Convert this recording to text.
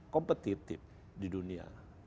kompetitif di dunia